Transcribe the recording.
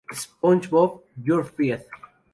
SpongeBob, You're Fired!